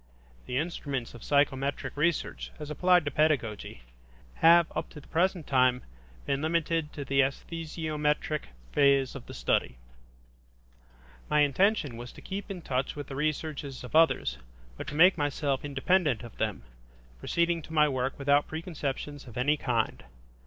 The instruments of psychometric research, as applied to pedagogy, have up to the present time been limited to the esthesiometric phase of the study. My intention was to keep in touch with the researches of others, but to make myself independent of them, proceeding to my work without preconceptions of any kind.